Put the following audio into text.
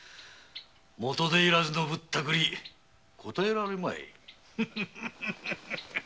元手要らずのぶったくりこたえられまい。